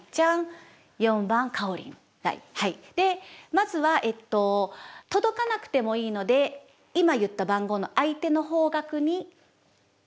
まずは届かなくてもいいので今言った番号の相手の方角に行きます。